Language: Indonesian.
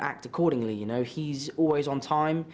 anda tahu dia selalu berhubungan dengan waktu